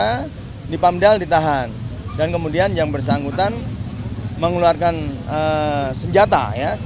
karena di pamdal ditahan dan kemudian yang bersangkutan mengeluarkan senjata